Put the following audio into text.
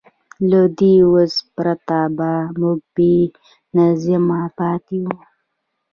له دې وس پرته به موږ بېنظمه پاتې وو.